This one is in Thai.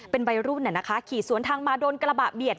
เป็นวัยรุ่นขี่สวนทางมาโดนกระบะเบียด